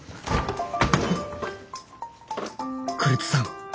栗津さん。